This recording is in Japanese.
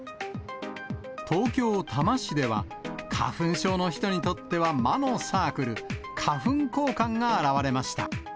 東京・多摩市では、花粉症の人にとっては魔のサークル、花粉光環が現れました。